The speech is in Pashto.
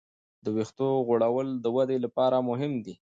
د وېښتو غوړول د ودې لپاره مهم دی.